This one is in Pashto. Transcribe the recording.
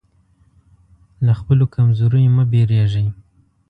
له خپلو کمزوریو مه وېرېږئ.